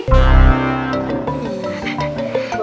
boleh juga tuh